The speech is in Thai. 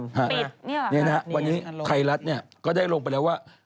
ปิดนี่เหรอครับนี่นะครับวันนี้ไทยรัฐเนี่ยก็ได้ลงไปแล้วว่า